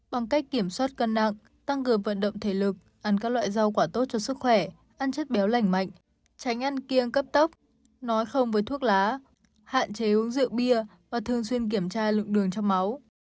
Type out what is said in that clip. bằng cách kiểm soát cân nặng tăng cường vận động thể lực ăn các loại rau quả tốt cho sức khỏe ăn chất béo lành mạnh tránh ăn kiêng cấp tốc nói không với thuốc lá hạn chế uống rượu bia và thường xuyên kiểm tra lượng đường trong máu